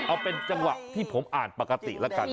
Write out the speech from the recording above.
เอาเป็นจังหวะที่ผมอ่านปกติแล้วกัน